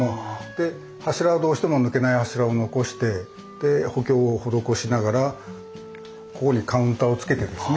で柱はどうしても抜けない柱を残して補強を施しながらここにカウンターをつけてですね。